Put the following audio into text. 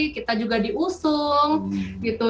kita juga diusung gitu